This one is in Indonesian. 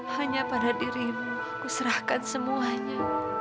hanya pada dirimu ku serahkan semuanya